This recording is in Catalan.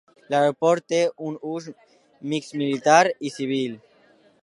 L'aeroport té un ús mixt militar i civil.